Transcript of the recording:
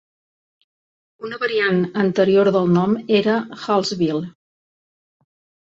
Una variant anterior del nom era Hallsville.